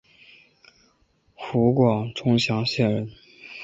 湖广钟祥县人。